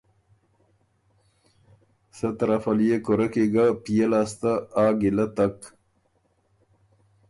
سۀ طرفه ليې کُورۀ کی ګۀ پئے لاسته آ ګیلۀ تک۔